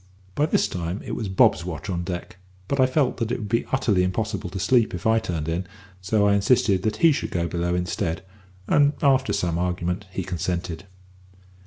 By this time it was Bob's watch on deck; but I felt that it would be utterly impossible to sleep if I turned in, so I insisted that he should go below instead, and, after some argument, he consented.